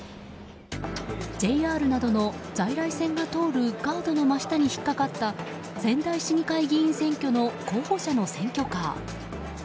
ＪＲなどの在来線が走るガードの真下に引っかかった仙台市議会議員選挙の候補者の選挙カー。